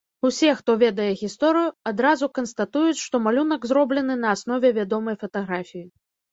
Усе, хто ведае гісторыю, адразу канстатуюць, што малюнак зроблены на аснове вядомай фатаграфіі.